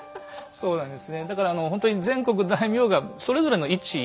そうなんです。